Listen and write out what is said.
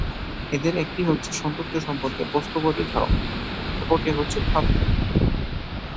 এদের একটি হচ্ছে সৌন্দর্য সম্পর্কে বস্তুবাদী ধারণা; অপরটি ভাববাদী।